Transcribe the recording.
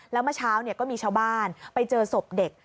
แล้วเมื่อเช้าก็มีชาวบ้านไปเจอศพเด็ก